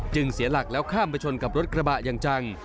เสียหลักแล้วข้ามไปชนกับรถกระบะอย่างจัง